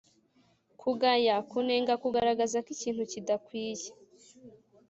kugaya : kunenga; kugaragaza ko ikintu kidakwiye.